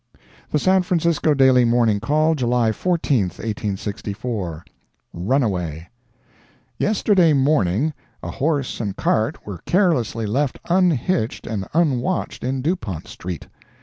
The San Francisco Daily Morning Call, July 14, 1864 RUNAWAY Yesterday morning, a horse and cart were carelessly left unhitched and unwatched in Dupont street.